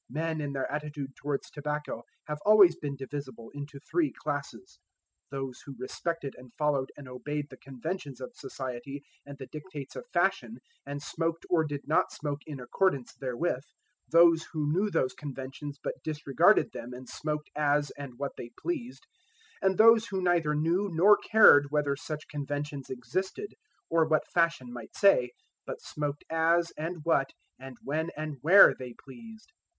Men in their attitude towards tobacco have always been divisible into three classes those who respected and followed and obeyed the conventions of society and the dictates of fashion, and smoked or did not smoke in accordance therewith; those who knew those conventions but disregarded them and smoked as and what they pleased; and those who neither knew nor cared whether such conventions existed, or what fashion might say, but smoked as and what, and when and where they pleased.